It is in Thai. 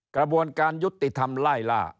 กระบวนการยุติธรรมไล่ล่า